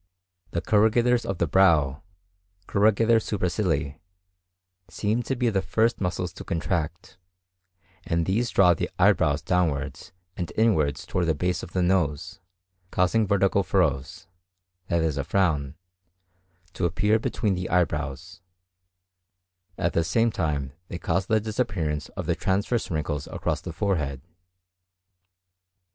The corrugators of the brow (corrugator supercilii) seem to be the first muscles to contract; and these draw the eyebrows downwards and inwards towards the base of the nose, causing vertical furrows, that is a frown, to appear between the eyebrows; at the same time they cause the disappearance of the transverse wrinkles across the forehead.